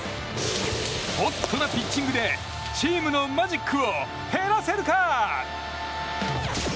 ほっとなピッチングでチームのマジックを減らせるか？